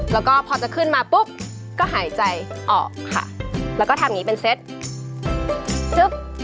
แล้วก็พอจะขึ้นมาปุ๊บก็หายใจออกค่ะแล้วก็ทำอย่างนี้เป็นเซตึ๊บ